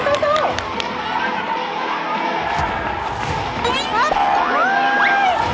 เอาใหม่เอาใหม่สู้